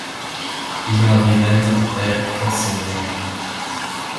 Yvon Abiven est enseignant.